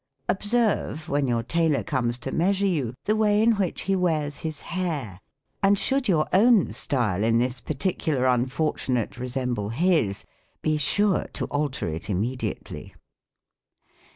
Observe, when your tailor comes to measure you, the way in which he wears his hair, and should your 142 ADDRESS TO own style in this particular unfortunate resemble his, be sure to alter it immediately.